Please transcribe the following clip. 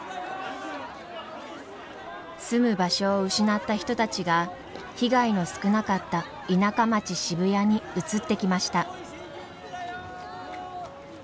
住む場所を失った人たちが被害の少なかった田舎町渋谷に移ってきました。